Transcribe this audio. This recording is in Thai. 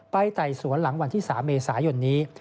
ไต่สวนหลังวันที่๓เมษายนนี้